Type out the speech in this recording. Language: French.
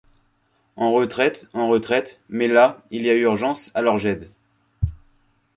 En retraite, en retraite, mais là, il y a urgence, alors j’aide.